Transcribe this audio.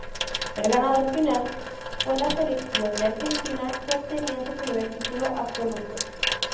El ganador final fue la selección de Argentina, que obtenía su primer título absoluto.